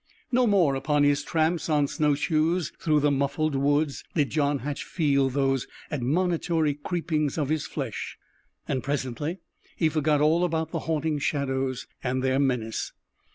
No more, upon his tramps on snowshoes through the muffled woods, did John Hatch feel those admonitory creepings of his flesh, and presently he forgot all about the haunting shadows and their menace.